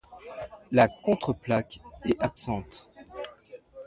La contreplaque est absente.